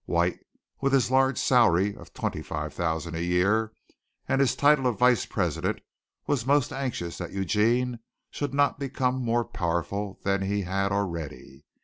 White with his large salary of twenty five thousand a year and his title of vice president was most anxious that Eugene should not become more powerful than he had already.